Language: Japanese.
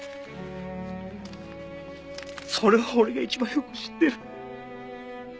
それは俺が一番よく知ってる。